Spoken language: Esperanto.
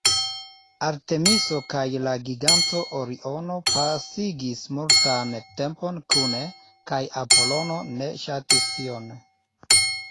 Artemiso kaj la giganto Oriono pasigis multan tempon kune, kaj Apolono ne ŝatis tion.